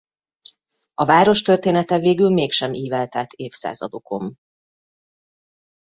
A város története végül mégsem ívelt át évszázadokon.